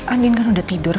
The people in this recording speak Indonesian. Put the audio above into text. anin kan udah tidur